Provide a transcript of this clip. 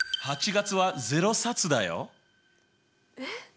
８月は０冊だよ。え？